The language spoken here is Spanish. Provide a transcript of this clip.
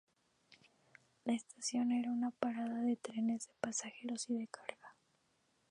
La estación era una parada de trenes de pasajeros y de carga.